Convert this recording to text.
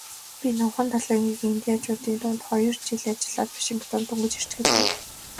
Би Номхон далайн эргийн индианчуудын дунд хоёр жил ажиллаад Вашингтонд дөнгөж ирчхээд байв.